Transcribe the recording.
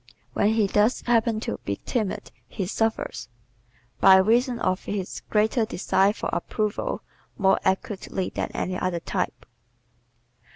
When he does happen to be timid he suffers, by reason of his greater desire for approval, more acutely than any other type.